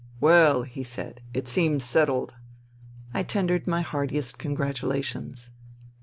" Well," he said, " it seems settled." I tendered my heartiest congratulations.